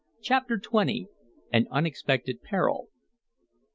CHAPTER XX. AN UNEXPECTED PERIL.